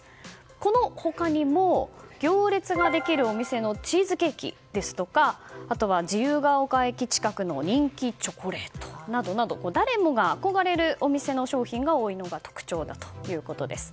この他にも、行列ができるお店のチーズケーキやあとは自由が丘駅近くの人気チョコレートなどなど誰もが憧れるお店の商品が多いのが特徴だということです。